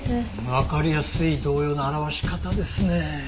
わかりやすい動揺の表し方ですねえ。